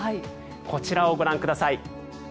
こちらをご覧ください。